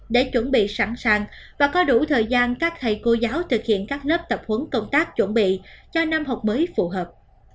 để chuẩn bị sẵn sàng và có đủ thời gian các thầy cô giáo thực hiện các lớp tập huấn công tác chuẩn bị cho năm học mới phù hợp